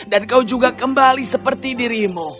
dan kau juga kembali seperti dirimu